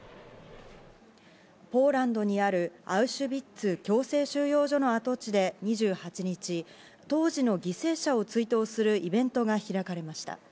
ポーランドにあるアウシュビッツ強制収容所の跡地で２８日、当時の犠牲者を追悼するイベントが開かれました。